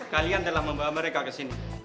kalian telah membawa mereka kesini